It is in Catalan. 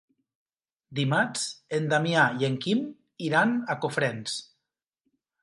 Dimarts en Damià i en Quim iran a Cofrents.